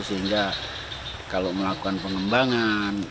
sehingga kalau melakukan pengembangan